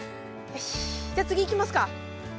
よしじゃあ次行きますか。